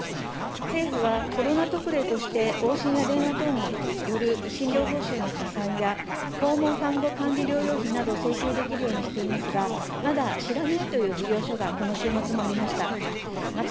政府はコロナ特例として往診や電話等による診療報酬の加算や、訪問看護管理療養費など請求できるようにしていますが、まだ知らないという事業所が、この週末もありました。